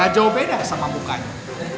gak jauh beda sama mukanya